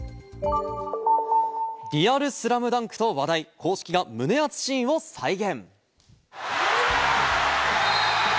リアル『ＳＬＡＭＤＵＮＫ』と話題、公式が胸熱シーンを再現。